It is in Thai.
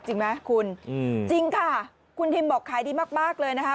จริงไหมคุณจริงค่ะคุณทิมบอกขายดีมากเลยนะคะ